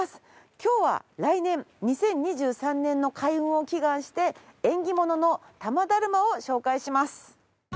今日は来年２０２３年の開運を祈願して縁起物の多摩だるまを紹介します。